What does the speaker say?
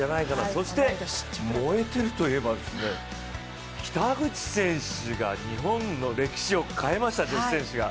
そして燃えていると言えば、北口選手が日本の歴史を変えました、女子選手が。